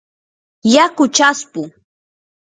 yaku chaspu.